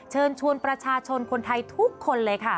เชิญชวนประชาชนคนไทยทุกคนเลยค่ะ